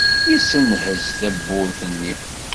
Yessenhezz tawwurt-nni.